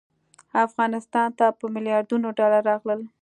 افغانستان ته په میلیاردونو ډالر راغلل.